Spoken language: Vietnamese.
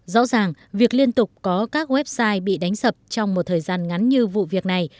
rõ ràng việc liên tục có các website bị đánh sập trong một thời gian ngắn như vụ việc này